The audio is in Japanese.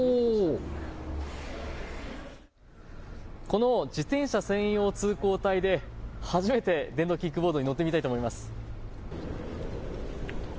この自転車専用通行帯で初めて電動キックボードに乗ってみたいと思います。